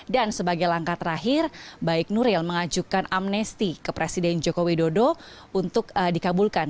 dan sebagai langkah terakhir baik nuril mengajukan amnesty ke presiden joko widodo untuk dikabulkan